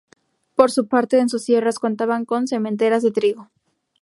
Por su parte en sus tierras contaban con sementeras de trigo.